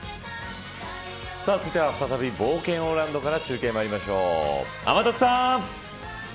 続いては再び冒険王ランドから中継まいりましょう天達さん。